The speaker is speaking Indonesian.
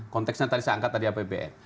konteksnya tadi saya angkat tadi apbn